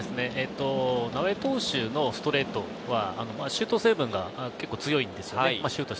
直江投手のストレートはシュート成分が結構強いんです。